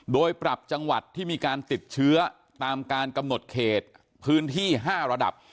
โดยปรับจังหวัดที่มีการติดเชื้อตามการกำหนดเขตพื้นที่๕ระดับ